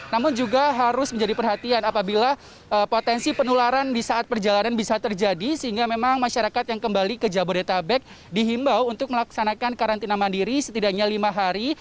namun juga harus menjadi perhatian apabila potensi penularan di saat perjalanan bisa terjadi sehingga memang masyarakat yang kembali ke jabodetabek dihimbau untuk melaksanakan karantina mandiri setidaknya lima hari